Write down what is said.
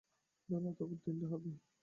বেলা তখন তিনটে হবে।